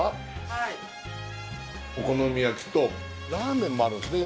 はいお好み焼きとラーメンもあるんですね